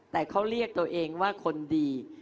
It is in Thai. แต่เขาเรียกตัวเองว่าคนดี